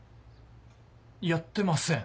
やってません。